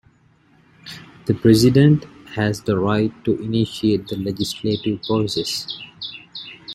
The President has the right to initiate the legislative process.